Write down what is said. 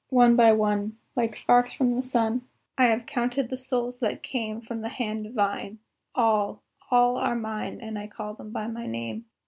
One by one, like sparks from the sun, I have counted the souls that came From the hand Divine; all, all are mine, And I call them by my name.